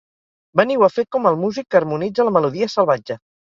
Veniu a fer com el músic que harmonitza la melodia salvatge.